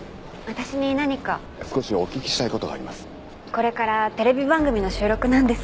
これからテレビ番組の収録なんです。